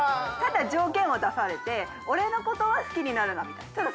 ただ条件を出されて俺のことは好きになるなみたいな。